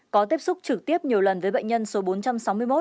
có tiếp xúc trực tiếp nhiều lần với bệnh nhân số bốn trăm sáu mươi một